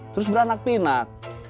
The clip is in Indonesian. terus beranak pinak